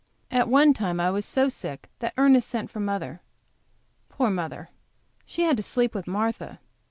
At one time I was so sick that Ernest sent for mother. Poor mother, she had to sleep with Martha.